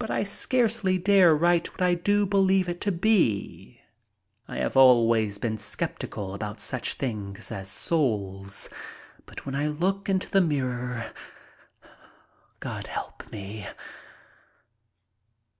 But I scarcely dare write what I do believe it to be. I have always been skeptical about such things as "soul," but when I look into the mirror—God help me!